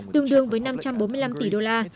tương đương với năm trăm bốn mươi năm tỷ đô la